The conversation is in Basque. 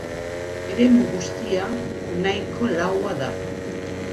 Eremu guztia nahiko laua da.